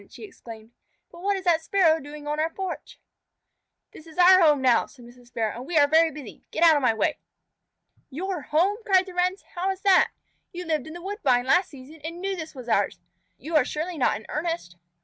she exclaimed. "But what is that Sparrow doing on our porch?" "This is our home now," said Mrs. Sparrow, "and we are very busy. Get out of my way." "Your home?" cried the Wrens. "How is that? You lived in the woodbine last season and knew that this was ours. You are surely not in earnest."